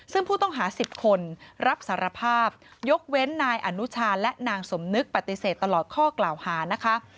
ซึ่งผู้ต้องหา๑๐คนรับสารภาพยกเว้นนายอนุชาและนางสมนึกปฏิเสธตลอดข้อกล่าวหานะคะ